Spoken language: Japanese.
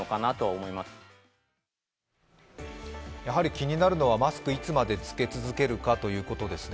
気になるのはマスクいつまで着け続けるかということですね。